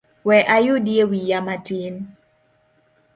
We ayudie wiya matin.